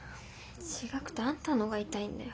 違くてあんたのが痛いんだよ。